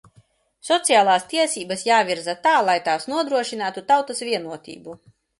Sociālās tiesības jāvirza tā, lai tās nodrošinātu tautas vienotību.